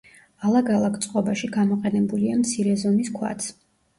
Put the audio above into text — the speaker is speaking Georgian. ალაგ-ალაგ წყობაში გამოყენებულია მცირე ზომის ქვაც.